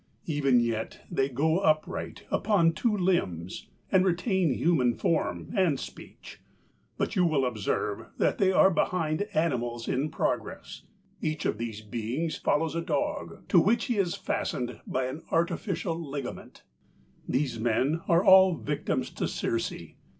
Even yet they go upright upon two limbs and retain human form and speech; but you will observe that they are behind animals in progress. Each of these beings follows a dog, to which he is fastened by an artificial ligament. These men are all victims to Circe.